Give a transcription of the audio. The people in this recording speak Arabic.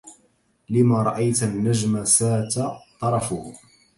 لما رأيت النجم ساة طرفه